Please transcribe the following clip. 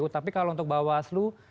tapi kalau untuk bawaslu